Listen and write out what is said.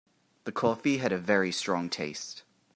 The coffee had a very strong taste.